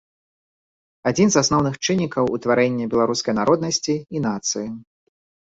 Адзін з асноўных чыннікаў утварэння беларускай народнасці і нацыі.